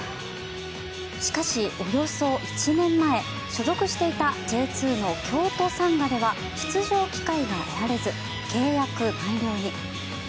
しかし、およそ１年前所属していたＪ２の京都サンガでは出場機会が得られず契約満了に。